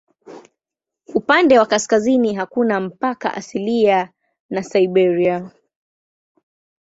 Upande wa kaskazini hakuna mpaka asilia na Siberia.